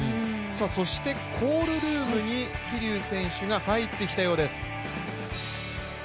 そしてコールルームに桐生選手が入ってきたようです。